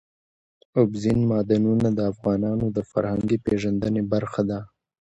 اوبزین معدنونه د افغانانو د فرهنګي پیژندنې برخه ده.